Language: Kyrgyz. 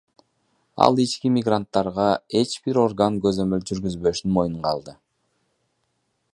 Ал ички мигранттарга эч бир орган көзөмөл жүргүзбөшүн моюнга алды.